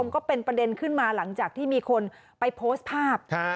ก็เป็นประเด็นขึ้นมาหลังจากที่มีคนไปโพสต์ภาพ